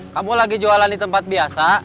kamu lagi jualan di tempat biasa